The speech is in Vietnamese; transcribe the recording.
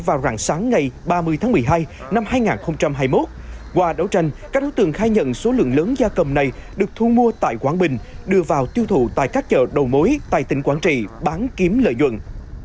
vào rạng sáng ngày ba mươi tháng một mươi hai năm hai nghìn hai mươi một qua đấu tranh các đối tượng khai nhận số lượng lớn da cầm này được thu mua tại quảng bình đưa vào tiêu thụ tại các chợ đầu mối tại tỉnh quảng trị bán kiếm lợi nhuận